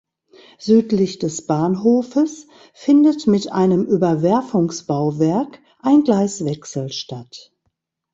Südlich des Bahnhofes findet mit einem Überwerfungsbauwerk ein Gleiswechsel statt.